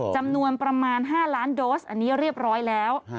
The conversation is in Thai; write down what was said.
จำนวนประมาณ๕ล้านโดสอันนี้เรียบร้อยแล้ว